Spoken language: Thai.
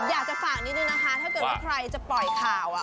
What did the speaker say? อยากจะฝากนิดนึงนะคะถ้าเกิดว่าใครจะปล่อยข่าว